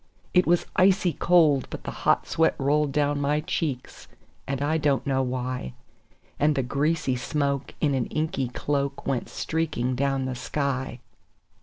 It was icy cold, but the hot sweat rolled down my cheeks, and I don't know why; And the greasy smoke in an inky cloak went streaking down the sky.